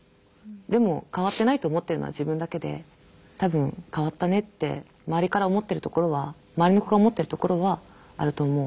でも変わってないと思ってるのは自分だけで多分変わったねって周りから思ってるところは周りの子が思ってるところはあると思う。